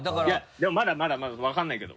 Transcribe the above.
でもまだ分かんないけど。